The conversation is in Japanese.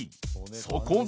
そこで。